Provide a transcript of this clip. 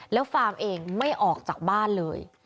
แล้วฟาร์มเองไม่ออกจากบ้านเลย